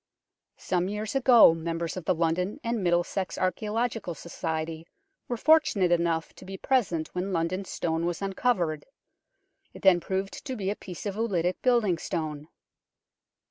Some years ago members of the London and Middlesex Archaeological Society were fortunate enough to be present when London Stone was uncovered. It then proved to be a piece of oolitic building stone.